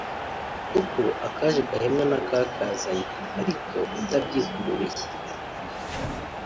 kuko akaje gahimwa n’akakazanye ariko utabyikururiye